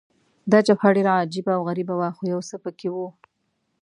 دا جبهه ډېره عجبه او غریبه وه، خو یو څه په کې وو.